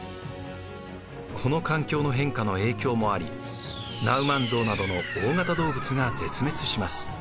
この環境の変化の影響もありナウマンゾウなどの大型動物が絶滅します。